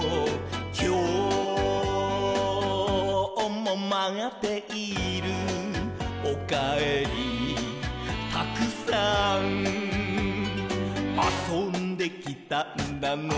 「きょうもまっている」「おかえりたくさん」「あそんできたんだね」